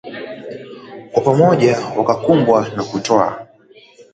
Kwa pamoja wakakubwa na butwaa